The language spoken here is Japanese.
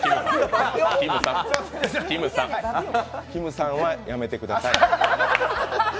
きむさんはやめてください。